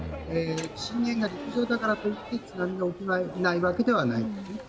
震源が陸上だからといって津波が起きないわけではないです。